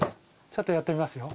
ちょっとやってみますよ。